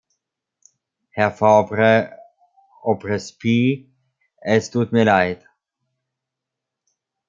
Herr Fabre-Aubrespy, es tut mir leid.